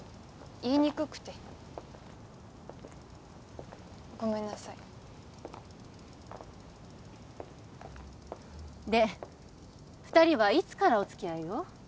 言いにくくてごめんなさいで二人はいつからお付き合いを？